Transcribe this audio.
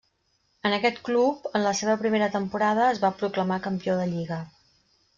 En aquest club, en la seva primera temporada, es va proclamar campió de Lliga.